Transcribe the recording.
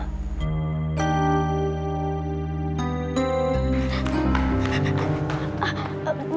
ternyata mama tidur